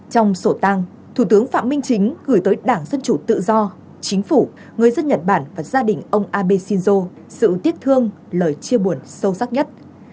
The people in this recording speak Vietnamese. trong sổ tăng thủ tướng phạm minh chính gửi tới đảng dân chủ tự do chính phủ người dân nhật bản và gia đình ông abe shinzo sự tiếc thương lời chia buồn sâu sắc nhất